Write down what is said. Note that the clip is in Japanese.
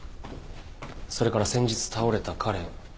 それから先日倒れた彼